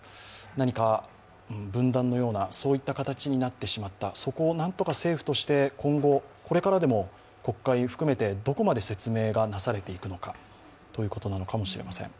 何か分断のような、そういった形になってしまった、そこを何とか政府として、これからでも国会含めてどこまで説明がなされていくのかということなのかもしれません。